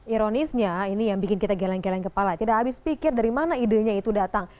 ironisnya ini yang bikin kita geleng geleng kepala tidak habis pikir dari mana idenya itu datang